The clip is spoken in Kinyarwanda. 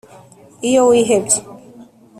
iyo wihebye